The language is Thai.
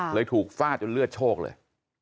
ถูกฟาดจนเลือดโชคเลย